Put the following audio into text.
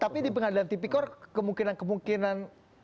tapi di pengadilan tipikor kemungkinan kemungkinan